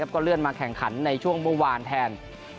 ก็เลื่อนมาแข่งขันในช่วงเมื่อวานแทน